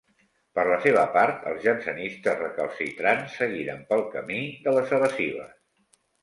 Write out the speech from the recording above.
Per la seva part els jansenistes recalcitrants seguiren pel camí de les evasives.